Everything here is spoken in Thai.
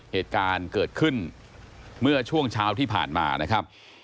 เหตุการณ์เกิดขึ้นเมื่อช่วงเช้าที่ผ่านมานะครับ